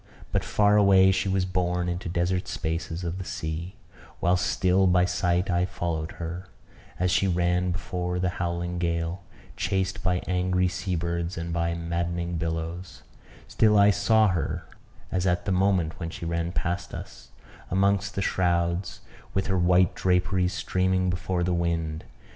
But far away she was borne into desert spaces of the sea: whilst still by sight I followed her, as she ran before the howling gale, chased by angry sea birds and by maddening billows; still I saw her, as at the moment when she ran past us, amongst the shrouds, with her white draperies streaming before the wind.